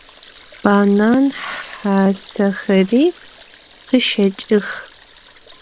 Банан хьасэхэри къыщэкӏых.